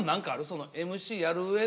そのＭＣやるうえで。